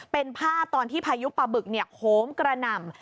เป็นภาพตอนที่พายุปลาบึกโหมกระหน่ำ